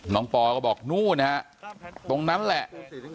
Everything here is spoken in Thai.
น้องป่าก็บอกนู่นตรงนั้นแหละ